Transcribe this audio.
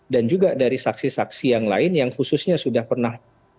dan juga dari saksi saksi yang lain yang khususnya sudah pernah monotip